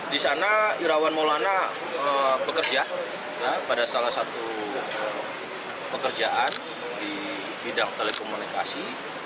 di sana irawan maulana bekerja pada salah satu pekerjaan di bidang telekomunikasi